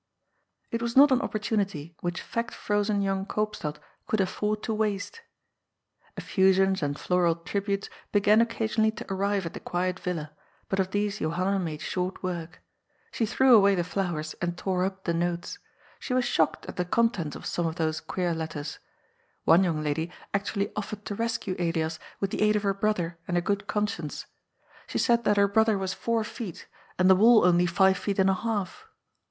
It was not an opportunity which fact frozen young Koopstad could afford to waste. Effusions and floral tributes began occasionally to arrive at the quiet villa, but of these Johanna made short work. BLIAS SLAYS HIS TEN THOUSANDa 219 She threw away the flowers and tore np the notes. She was shocked at the contents of some, of those qneer letters. One young lady actually offered to rescue Elias with the aid of her brother and a good con^ience. She said that her brother was four f eet, and the wall only five feet and a half.